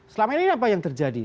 selama ini apa yang terjadi